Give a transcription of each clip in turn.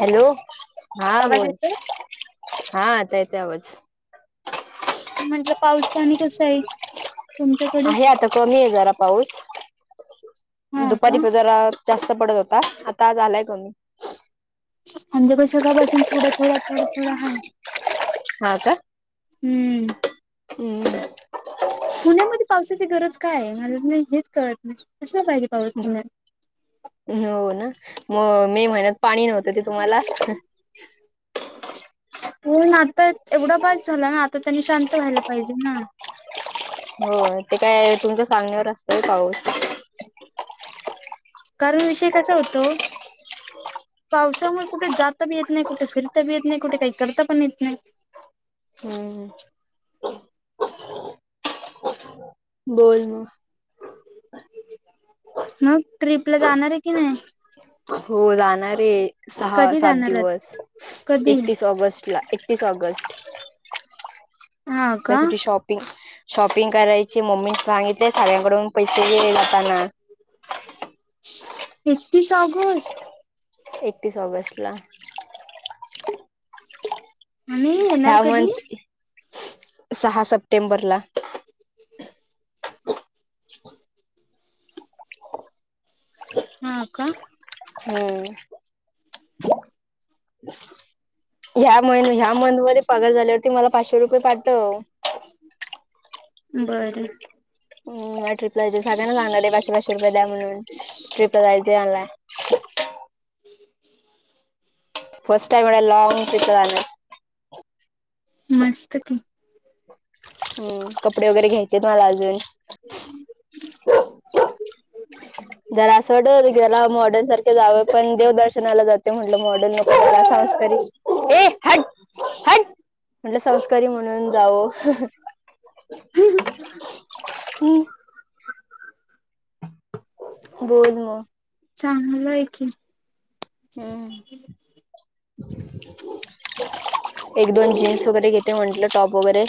Hello हा आवाज बोल येतोय? हा आता येतय आवाज. म्हणजे पाऊस पाणी कसंय? आहे आता कमी ए जरा पाऊस. हा का दुपारी ते जरा - जास्त पडत होता. आता झालाय कमी. आमच्याकडे सकाळपासून थोडा थोडा थोडा थोडा आहे. हा का? हम्म. हम्म. पुण्यामध्ये पावसाची गरज काय आहे? मला की नाही हेच कळत नाही. कशाला पाहिजे पाऊस पुण्यात? हो ना? म मे महिन्यात पाणी नव्हतं ते तुम्हाला. पण आता एवढा बास झाला ना? आता त्यानी शांत व्हायला पाहिजे ना? हो. ते काय तुमच्या सांगण्यावर असतोय होय पाऊस? कारण विषय कसा होतो? पावसामुळे कुठे जाता बी येत नाही. कुठे फिरता बी येत नाही. कुठे काही करता पण येत नाही. हम्. बोल म. मग ट्रिपला जाणार आहे की नाही? हो जाणार ए. सहा कधी सात जाणार आहेत दिवस. कधी? एकतीस ऑगस्ट ला. स ऑगस्ट. हा का त्यासाठी शॉपिंग- शॉपिंग करायची. मम्मीन सांगितलंय सगळ्यांकडून पैसे घे जाताना. एकतीस ऑगस्ट? एकतीस ऑगस्ट ला. आणि येणार ह्या कधी? मंथ [unintelligible] सहा सप्टेंबरला. हा का? हो. ह्या महिना, ह्या मंथ मध्ये पगार झाल्यावरती मला पाचशे रुपये पाठव. बरं. मला ट्रिपला जायचय. सगळ्यांना सांगालोय पाचशे पाचशे रुपये द्या म्हणून. ट्रिपला जायचय आहे मला. [unintelligible] फर्स्ट टाईम एवढ्या लाँग ट्रीपला जायलोय. मस्त की. हम्म. कपडे वगैरे घ्यायचेत मला अजून. [unintelligible] जरा असं [unintelligible] गेलाव मॉडर्न सारखे जाव. पण देव दर्शनाला जाते म्हटलं मॉडर्न न - जरा संस्कारी. [inaudible] म्हणलं संस्कारी म्हणून जाव. बोल म. चांगलय की. हम्म. एक दोन जीन्स वगैरे घेते म्हटलं. टॉप वगैरे.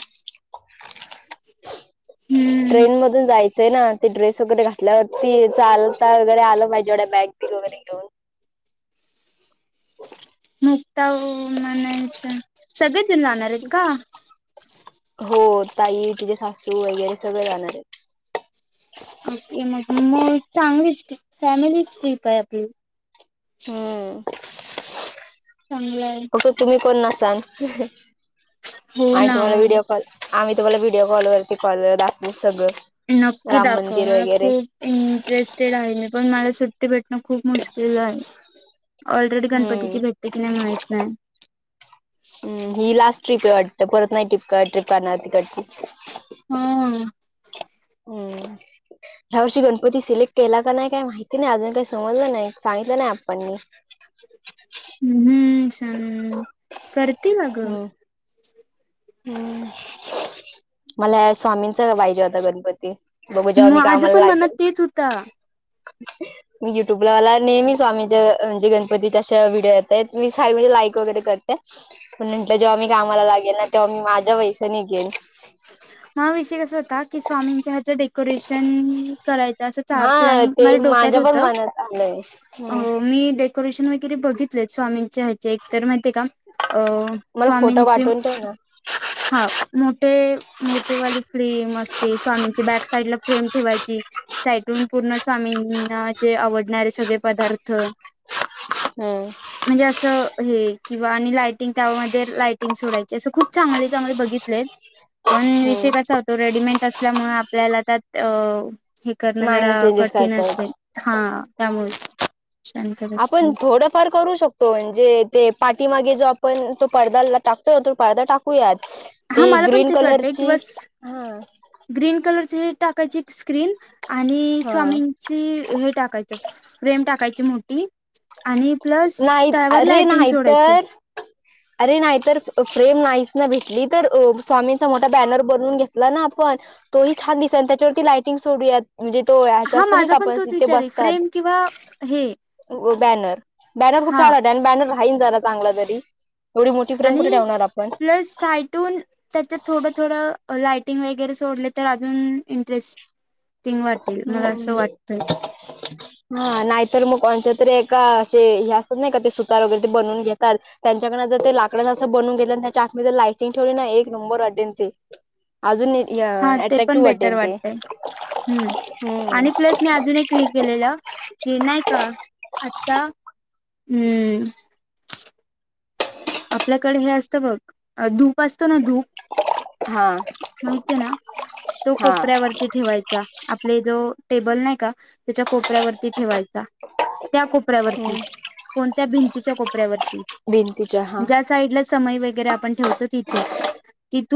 [inaudible] हम्म ट्रेन मधून जाय- हो ना. ते ड्रेस वगैरे घातल्यावरती चालता वगेरे आलं पाहिजे एवढ्या बॅग बिग वगैरे घेऊन. मुक्ता [unintelligible] सगळेच जण जाणार आहेत का? हो. ताई, तिचेे सासू वगैरे सगळे जाणार आहेत. ओके. मग मग चांगलीच फॅमिलीच ट्रिप आहे आपली. हम्म. चांगलं आहे फक्त तुम्ही कोण नसाल. हो ना तुम्हाला व्हिडिओ कॉल आम्ही तुम्हाला व्हिडिओ कॉलवरती कॉल दाखवू सगळं नक्की राम दाखव मंदिर मला वगैरे खूप इंटरेस्टेड आहे पण मला सुट्टी भेटणं खूप मुश्किल आहे. ऑलरेडी हम्म. गणपतीची भेटते की नाही माहित न्हाय. ही लास्ट ट्रीप आहे वाटतं परत नाही ट्रीप काढणार तिकडची. हम्म हम्म ह्या वर्षी गणपती सिलेक्ट केला का नाही काही माहिती नाही अजून काही समजलं नाही सांगितलं नाही आप्पांनी. हम्म करतील अगं हम्म हम्म मला स्वामींचा पाहिजे होता गणपती बघू जेव्हा मी माझं कामाला पण मनात लागेन तेच होता मी युट्यूबला मला नेहमी स्वामीच्या म्हणजे गणपतीच्या अशा व्हिडिओ येत आहेत मी फार वेळी लाईक वगैरे करते. पण म्हटलं जेव्हा मी कामाला लागेल ना तेव्हा मी माझ्या पैशाने घेईन. हा विषय कसा होता की स्वामींच्या हेच डेकोरेशन करायचं असं प्लॅनिंग माझ्या डोक्यात होतं चांगलंय हो मी डेकोरेशन वगैरे बघितलेत स्वामींचे हेत एकतर माहितिये का अ स्वामींची तर ना हां मोठे मोठेवाली फ्रेम असते स्वामींची बॅक साइड ला फ्रेम ठेवायची साईटून पूर्ण स्वामींना जे आवडणारे सगळे पदार्थ हम्म म्हणजे असं हे किंवा आणि लायटिंग त्यामध्ये लायटिंग सोडायची असं खूप चांगले त्यामध्ये बघितलेत पण विषय हम्म कसा तो रेडिमेंट असल्यामुळे आपल्याला त्यात हे करणं नाही जरा ना चेंजेस करता कठीणचं हे येत. हा त्यामुळेच शांत बसते आपण थोडंफार करू शक तो म्हणजे ते पाठीमागे जो आपण तो पडदा टाकतोय ना तो पडदा टाकूयात हा ती मला पण ग्रीन तेच वाटतंय कलरची किंवा हा ग्रीन कलरची हे टाकायची स्क्रीन आणि हा स्वामी ची हे टाकायचं फ्रेम टाकायची मोठी आणि प्लस नाही त्यावर अरे लायटिंग सोडायची. नाहीतर अरे नाही तर फ्रेम नाहीच ना भेटली तर स्वामींचा मोठा बॅनर बनवून घेतला ना आपण तोही छान दिसन आणि त्याच्यावरती लायटिंग सोडूयात म्हणजे तो ह्याचा हा असतो नाही का माझा पण आपण तोच इथे विचार आहे बसतात फ्रेम किंवा हे व बॅनर बॅनर खूप छान हा वाटन आणि बॅनर राहीन जरा चांगला तरी एवढी मोठी फ्रेम आणि कुठे ठेवणार आपण? प्लस साईट तून त्याच्यात थोडं थोडं लाइटिंग वगैरे सोडले तर अजून इंटरेस्ट हम्मम् हा नाहीतर मग कोणच्या तरी एका असे हे असतात नाही का ते सुतार वैगेरे ते बनवून घेताल. त्यांच्याकडनं जर ते लाकडच असं बनवून घेतलं त्याच्या आत मधी लायटिंग ठेवली ना एक नंबर वाटेन ते. अजून य हा ते पण अट्रॅक्टिव्ह बेटर वाटेन ते वाटतय हम्म हम्म आणि प्लस मी अजून एक हे केलेलं की नाही का आता हम्. आपल्याकडे हे असतं बघ धूप असतो ना धूप हा माहिती आहे ना तो हा कोपऱ्यावर ठेवायचा आपले जो टेबल नाही का त्याच्या कोपऱ्यावरती ठेवायचा. त्या कोपऱ्यावरती, कोणत्या भिंतीच्या कोपऱ्यावरती? भिंतच्या साइडला समई वैगेरे आपण ठेवतो तिथे,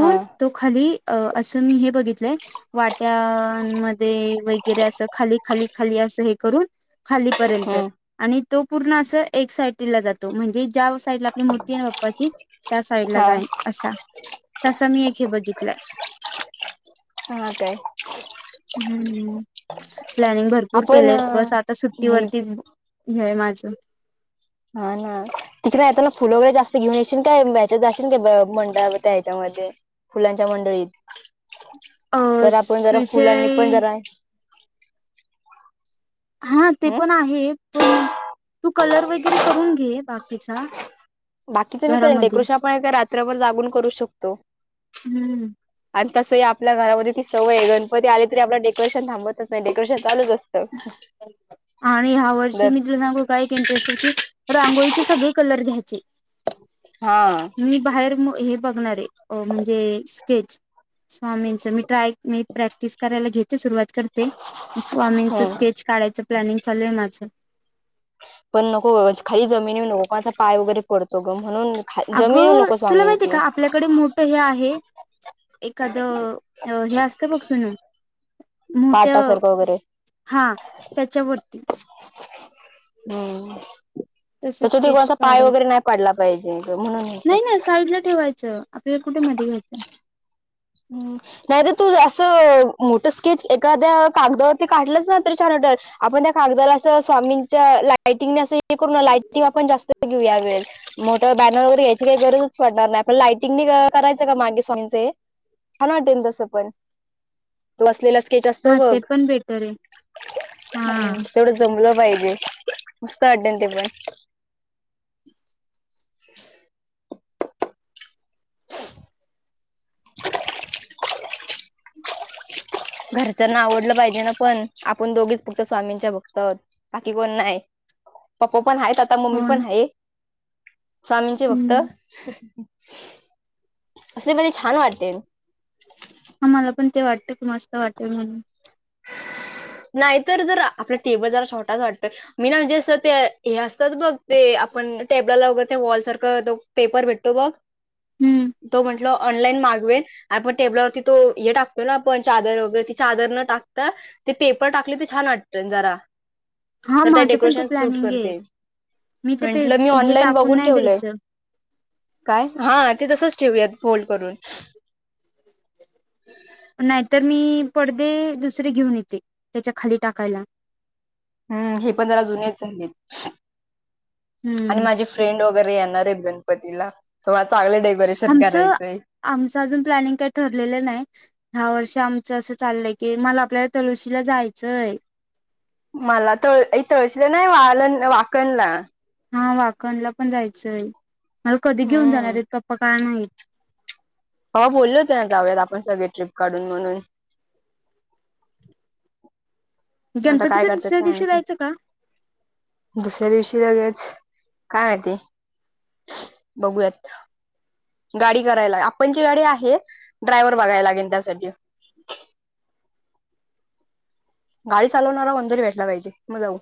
हा तो खाली असं मी हे बघितलंय वाट्यान मध्ये वगैरे अस खाली खाली खाली असं हे करून खालीपर्यंत हा आणि तो पूर्ण अस एक साइडला जातो म्हणजे ज्या साईडला आपली मु बाप्पा ची त्या साईडला जाईन हा असा तसा मी एक हे बघितलंय हा काय. हम्म. प्लॅनिंग भरपूर आपण केलय बस आता मी सुट्टीवरती हेय माझं. ह ना. तिकडे येताना फुल वगैरे जास्त घेऊन यायशील काय ह्याच्यात जायशील का मंड त्या ह्याच्यामध्ये फुलांच्या मंडळीत अ जर आपण जरा फुलांनी पण सविषय जरा हा ते हम् पण आहे पण तू कलर वगैरे करून घे बाकीचा बाकीचं मी करेन घरामध्ये डेकोरेशन आपण रात्रभर जागून करू शकतो. हम्म आणि तसंही आपल्या घरामध्ये ती सवय आहे, गणपती आली तरी आपल डेकोरेशन थांबतच नाही डेकोरेशन चालूच अस आणि ह्या वर्षी [unintelligible] दर इंटरेस्ट हे की रांगोळीचे सगळे कलर घ्याचे, हा मी बाहेर मग हे बघणारे म्हणजे स्केच स्वामींच मी ट्राय मी प्रॅक्टिस करायला घेते सुरुवात करते स्वामींचं हम्म स्केच कढायचं प्लॅनिंग चालूय हाय माझं. पण नको उगाच खाली जमिनीवर नको माझा पाय वगैरे पडतो ग म्हणून जमिनिवर अगं नको तुला माहितीय स्वामींची. का आपल्याकडे मोठं हे आहे एखादं हे असत बघ सुनू मोठ पाटासारखं वगैरे हा त्याच्यावरती हम्म तस त्याच्याती स्केच कोणाचा पाय वगैरे काढायच नाही पडला पाहिजे म्हणून साइडला ठेवायचं आपल्याला कुठे मध्ये घ्यायचं. हम्म नाही तर तू असं मोठं स्केच एखाद्या कागदावरती काढलंस ना तर छान वाटल. आपण त्या कागदाला अस स्वामींच्या लाइटिंगने असं हे करू न लाईटिंग आपण जास्त घेऊ या वेळस. मोठं बॅनर वगैरे यायची काही गरजच पडणार नाही, आपण लायटिंग करायचं का मागे स्वामींच हे? छान वाटेल तसं पण, तो बसलेला स्केच असतो हा ते बघ, पण बेटर आहे हा ह तेवढं जमलं पाहिजे मस्त वाटेल ते पण, घरच्यांना आवडलं पाहिजे ना पण आपण दोघीच फक्त स्वामींच्या भक्त आहोत बाकी कोण नाही. पप्पा पण आहेत आता मम्मी हो ना. पण आहे स्वामींचे भक्त. हम्म असे [unintelligible] छान वाटते. हा मला पण ते वाटत मस्त वाटेल म्हणून, [unintelligible] नाहीं तरं जरं आपला टेबल जरां शॉटाचं वाटतं मी ना म्हणजे असं ते हे असतांत बघं ते आपणं टेबलांला वगैरें ते वॉल सारखं पेपर भेटतो बघं हम्म तो म्हटलं ऑनलाईन मागवेल आपणं टेबलवरंती तो हे टाकतो नां आपणं चादरं वगैरें ती चादरं नं टाकं तां तरं ते पेपर टाकले तरं छांन वाटतं जरां हा तरं त्यां माझं पण ते डेकोरेशंन सूंट प्लॅनिंग आहे करते मी ते पे म्हंटल मी हे ऑनलाईन टाकून बघूंन नाही ठेवलंय द्यायचं कायं हां ते तसंच ठेवयांत फोल्ड करूंन नाहीं तरं मी पडदे दुसरे घेऊंन येते त्यांच्या खांली टाकांयला हम्मं हे पणं जरां जुने चं आणि हम्म माझे फ्रेंड वगैरें येणारं आहेतं गणपतीला सगळं चांगलं डेकोरेशन करायचंय आहे अजूंन आमचं प्लॅनिंग कायं ठरलेलं नाहीं ह्यां वर्षी आमचं असं चाललंय की मलां आपल्यांला तळुंशीला जायचंय आहे मलां तुळं तुळशीला नाहीं वां वांकणलां हां वांकणलां पणं जायचं आहे मलां कधीं घेऊंन जाणारं हम्म आहेतं पप्पां कायं माहित हांव बोले होते नां जाव्यांत आपणं सगळें ट्रीप काढूंन म्हणूंन आंता कायं गणपतीच्या करते दुसऱ्या कायं दिवशी माहित जायचं का दुसऱ्यां दिवशी लगेच कायं माहिती बघूंयात गांडी करांयला लां आपणंची गांडी आहे ड्रायव्हंर बघांयला लागेल त्यांसाठी गांडी चालवणांरा कोणं तरी भेटलां पाहिजे मगं जाऊं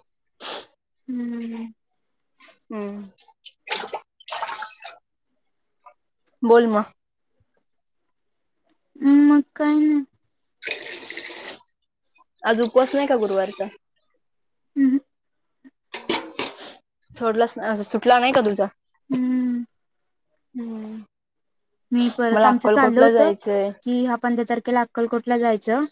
हम्म हम्मं बोलं मगं मगं कांहीं नाहीं आंज उपवांस नाहीं कां गुरुवारचां हम्म सोडलां सुटलां नाहीं कां तुझां हम्म हम्मं मी परतं आमचं चाललं होतं जायचंय. कि हां पंधरा तारखेला अक्कलकोटला जायचं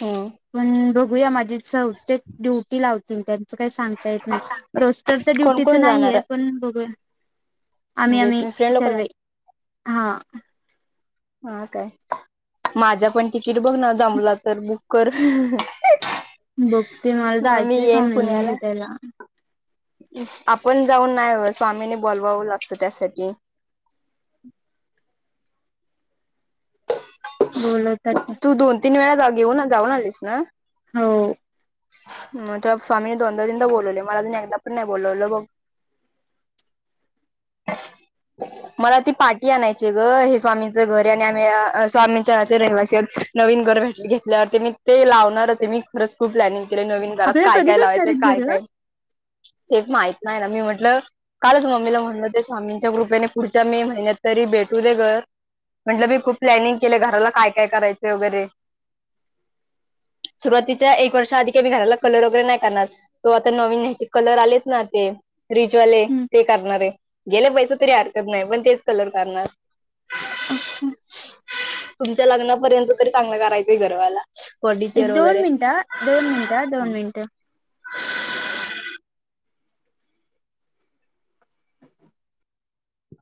हम्मं पणं बघूंयात माझी चहतेक ड्युंटी लावतील त्यांनी कांहीं सांगता येतं नाहीं रोस्टंर तरं कोण ड्युंटीच कोण जाणार नाहींये आहे? पणं बघं आम्हीं म्हणजे आम्हीं तुम्ही फ्रेंड लोक सर्वे जाणार हां हां कायं माझां पणं तिकीट बघं नां जमलं तरं बुंक करं बघते मलादं येतं येईन स्वामीनी भेटांयला आपणं जाऊंन नाहीं स्वामीनी बोलवावं लागतं त्यांसाठी बोलवतात ते तूं दोन तीनं वेळां जाऊं घेऊंन जाऊंन आलीस नां हो तरं स्वामीने दोनदां तीनदां बोलवले मलां अजूंन एकदां पणं नाहीं बोललावलं बघं [inaudible] [unintelligible] मलां ती पाठी आणांयची गं हे स्वामींचं घरं आहे आणि आम्हीं स्वामींच्या नां रहिवासी आहेतं नवीन घरं घेतल्यांवर ते मी ते लावणांरचं मी खंच खूंप प्लॅनिंग केले नवीन घरांत आपल्याला कायं कधी कायं भेटणार लावायचं आहेत कायं घरं कायं हे माहित नाहीं नां मी म्हटलं कालंच मम्मीला म्हंणे ते स्वामींच्या कृपेने पुढच्यां मे महिन्यांत तरी भेटूं दे घरं म्हटलं मी खूपचं प्लॅनिंग केले घरांला कायं कायं करायचं वगैरें सुरुवांतीच्या एक वर्षा आंधी की नाहीं घरांला कलंर वगैरें नाहीं करणारं तो नवीन ह्यांचे कलंर आलेत नां ते ते करणारे गेलं पैसे तरी हरकत नाही पण तेच कलर करढणार. ओके तुमच्या लग्नापर्यंत तरी चांगलं करायचंय गरवाला. [inaudible] एक दोन मिनिटं, दोन मिनटं, दोन मिनटं.